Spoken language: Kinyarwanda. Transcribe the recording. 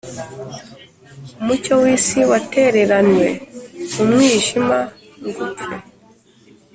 umucyo w'isi watereranywe mu mwijima ngo upfe